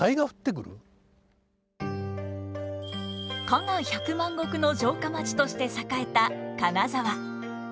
加賀百万石の城下町として栄えた金沢。